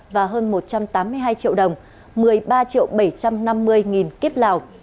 và hơn một trăm tám mươi hai triệu đồng một mươi ba triệu bảy trăm năm mươi nghìn kiếp lào